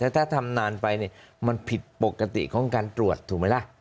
ถ้าทำนานไปมันผิดปกติของการตรวจถูกไหมล่ะ